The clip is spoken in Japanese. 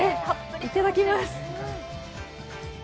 いただきます。